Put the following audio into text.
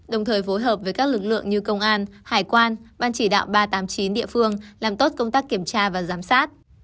đồng thời phối hợp với các lực lượng như công an hải quan ban chỉ đạo ba trăm tám mươi chín địa phương làm tốt công tác kiểm tra và giám sát